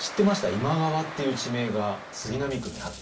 今川っていう地名が杉並区にあった。